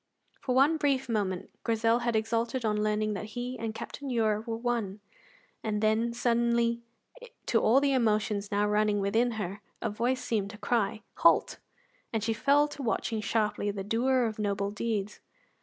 For one brief moment Grizel had exulted on learning that he and Captain Ure were one, and then suddenly, to all the emotions now running within her, a voice seemed to cry, "Halt!" and she fell to watching sharply the doer of noble deeds.